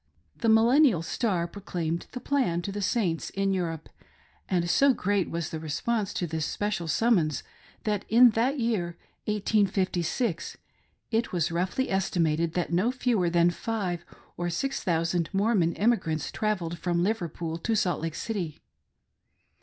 The Millennial Star proclaimed the "plan" to the Saints in Europe, and so great was the response to this special sum mons that in that year — 1856 — it was roughly estimated that no fewer than five or six thousand Mormon emigrants travelled from Liverpool to Salt Lake City.